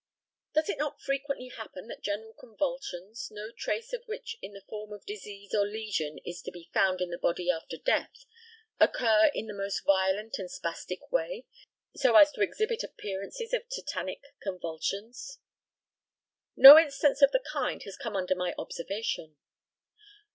Does it not frequently happen that general convulsions, no cause or trace of which in the form of disease or lesion is to be found in the body after death, occur in the most violent and spastic way, so as to exhibit appearances of tetanic convulsions? No instance of the kind has come under my observation.